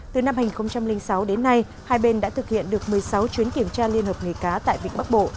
từ năm hai nghìn sáu đến nay hai bên đã thực hiện được một mươi sáu chuyến kiểm tra liên hợp nghề cá tại vịnh bắc bộ